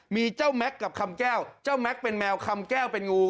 มีเจ้าแม็กซ์กับคำแก้วเจ้าแม็กซ์เป็นแมวคำแก้วเป็นงู